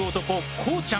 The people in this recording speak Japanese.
こうちゃん。